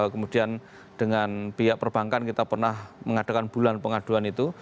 kemudian dengan pihak perbankan kita pernah mengadakan bulan pengaduan itu